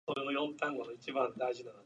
French Canada reacted with outrage.